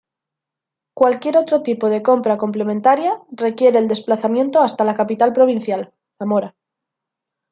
Cualquier otro tipo de compra complementaria, requiere el desplazamiento hasta la capital provincial, Zamora.